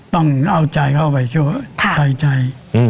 ต้องเอาใจเข้าไปช่วยใส่ใจ